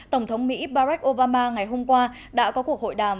tổng thống mỹ barack obama ngày hôm qua đã có cuộc hội đàm